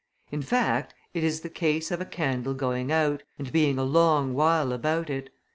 In fact, it is the case of a candle going out, and being a long while about it.